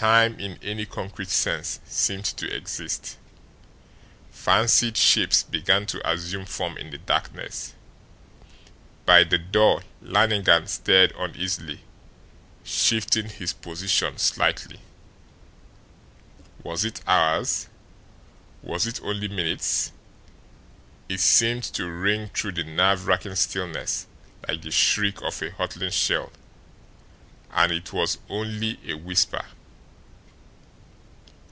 Time in any concrete sense ceased to exist. Fancied shapes began to assume form in the darkness. By the door, Lannigan stirred uneasily, shifting his position slightly. Was it hours was it only minutes? It seemed to ring through the nerve racking stillness like the shriek of a hurtling shell and it was only a whisper.